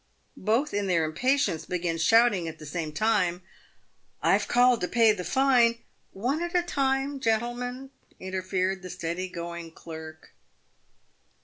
Both, in their impatience, began shouting at the same time, " I've called to pay the fine "" One at a time, gentlemen," interfered the steady going clerk.